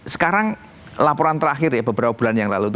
sekarang laporan terakhir ya beberapa bulan yang lalu itu